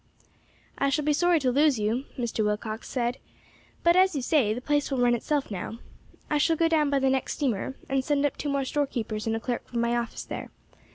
"I shall be sorry to lose you," Mr. Willcox said; "but, as you say, the place will run itself now. I shall go down by the next steamer, and send up two more storekeepers and a clerk from my office there.